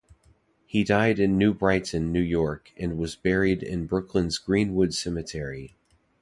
He died in New Brighton, New York, and was buried in Brooklyn's Green-Wood Cemetery.